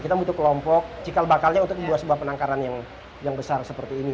kita butuh kelompok cikal bakalnya untuk sebuah penangkaran yang besar seperti ini